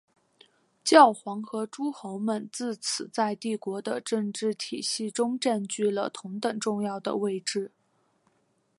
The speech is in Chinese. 教皇和诸侯们自此在帝国的政治体系中占据了同等重要的位置。